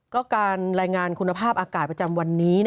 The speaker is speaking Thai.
ก็การรายงานคุณภาพอากาศประจำวันนี้